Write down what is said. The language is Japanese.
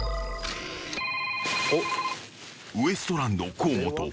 ［ウエストランド河本］